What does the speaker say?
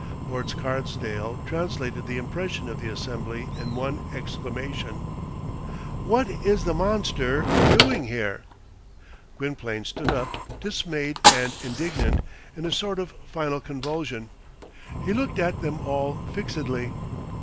Lord Scarsdale translated the impression of the assembly in one exclamation, "What is the monster doing here?" Gwynplaine stood up, dismayed and indignant, in a sort of final convulsion. He looked at them all fixedly.